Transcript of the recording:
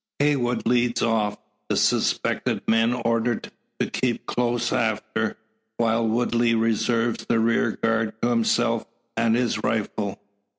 Heywood leads off; the suspected men ordered to keep close after; while Woodley reserves the rear guard to himself and his rifle.